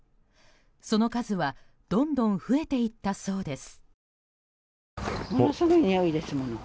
その数はどんどん増えていったそうです。